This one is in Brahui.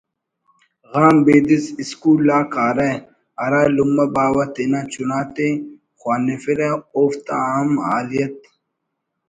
غان بیدس اسکول آ کارہ ہرا لمہ باوہ تینا چنا تے خوانفرہ اوفتا ہم حالیت